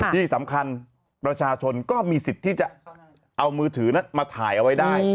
ที่สำคัญประชาชนก็มีสิทธิ์ที่จะเอามือถือนั้นมาถ่ายเอาไว้ได้